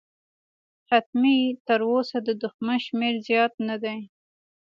حتمي، تراوسه د دښمن شمېر زیات نه دی.